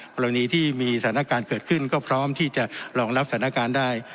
กรณีที่มีสถานการณ์เกิดขึ้นก็พร้อมที่จะรองรับสถานการณ์ได้